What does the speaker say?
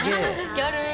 ギャルー。